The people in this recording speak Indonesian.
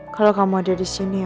kalau kamu ada di sini ya mas